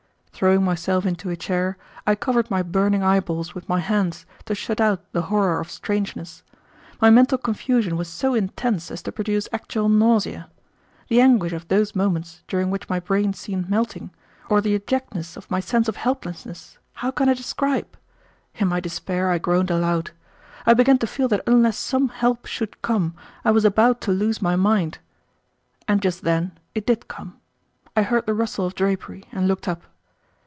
Throwing myself into a chair, I covered my burning eyeballs with my hands to shut out the horror of strangeness. My mental confusion was so intense as to produce actual nausea. The anguish of those moments, during which my brain seemed melting, or the abjectness of my sense of helplessness, how can I describe? In my despair I groaned aloud. I began to feel that unless some help should come I was about to lose my mind. And just then it did come. I heard the rustle of drapery, and looked up.